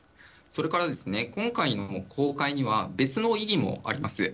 それから、今回の公開には、別の意義もあります。